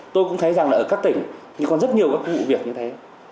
tôi cũng thấy rằng là ở các tỉnh thì còn rất nhiều các vụ việc như thế